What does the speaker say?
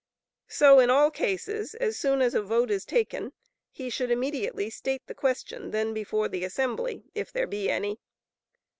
So in all cases, as soon as a vote is taken, he should immediately state the question then before the assembly, if there be any.